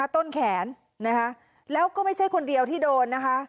ต้นแขนนะคะแล้วก็ไม่ใช่คนเดียวที่โดนนะคะ